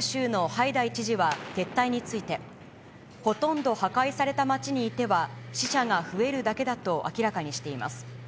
州のハイダイ知事は撤退について、ほとんど破壊された街にいては、死者が増えるだけだと明らかにしています。